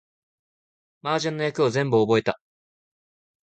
麻雀の役を全部覚えた